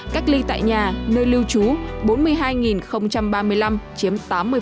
cách ly tại nhà nơi lưu trú bốn mươi hai ba mươi năm chiếm tám mươi